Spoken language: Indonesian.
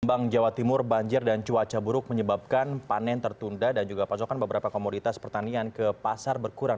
di jawa timur banjir dan cuaca buruk menyebabkan panen tertunda dan juga pasokan beberapa komoditas pertanian ke pasar berkurang